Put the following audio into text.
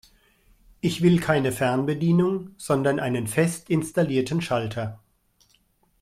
Ich will keine Fernbedienung, sondern einen fest installierten Schalter.